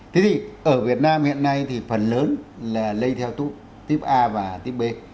thế thì ở việt nam hiện nay thì phần lớn là lây theo tiếp a và tiếp b